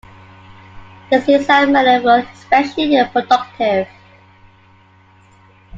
His years at Mellon were especially productive.